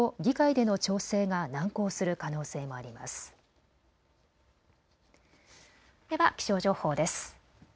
では気象情報です。